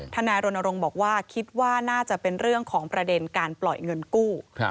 นายรณรงค์บอกว่าคิดว่าน่าจะเป็นเรื่องของประเด็นการปล่อยเงินกู้